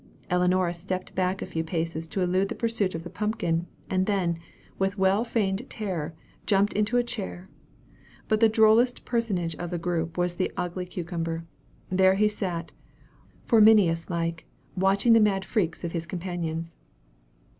Ellinora stepped back a few paces to elude the pursuit of the pumpkin, and then, with well feigned terror, jumped into a chair. But the drollest personage of the group was the ugly cucumber. There he sat, Forminius like, watching the mad freaks of his companions.